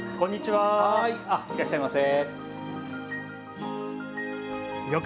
はいいらっしゃいませ。